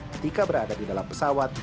ketika berada di dalam pesawat